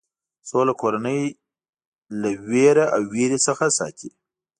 سوله کورنۍ له وېره او وېرې څخه ساتي.